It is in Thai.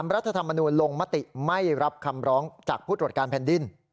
รัฐธรรมนูลลงมติไม่รับคำร้องจากผู้ตรวจการแผ่นดิน